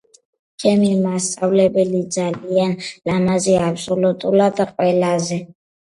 ჩემი მასწავლებელი ძალიან ლამაზია აბსოლუტურად ყველაზე